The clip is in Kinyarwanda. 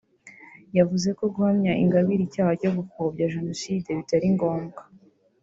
yavuze ko guhamya Ingabire icyaha cyo gupfobya Jenoside bitari ngombwa